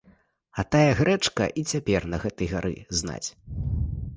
А тая грэчка і цяпер на гэтай гары знаць.